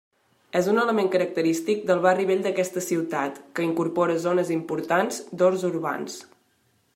És un element característic del Barri Vell d'aquesta ciutat, que incorpora zones importants d'horts urbans.